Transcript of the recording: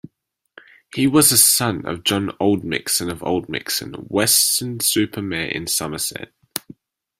He was a son of John Oldmixon of Oldmixon, Weston-super-Mare in Somerset.